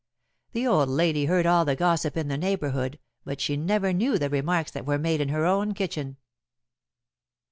The old lady heard all the gossip in the neighborhood, but she never knew the remarks that were made in her own kitchen.